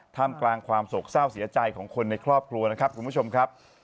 ท่ามกลางความโศกเศร้าเสียใจของคนในครอบครัวนะครับคุณผู้ชมครับ